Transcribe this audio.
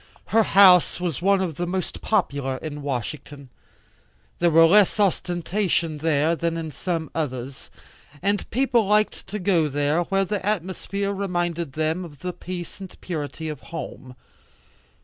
Her house was one of the most popular in Washington. There was less ostentation there than in some others, and people liked to go where the atmosphere reminded them of the peace and purity of home.